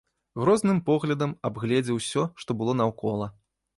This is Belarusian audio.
Грозным поглядам абгледзеў усё, што было наўкола.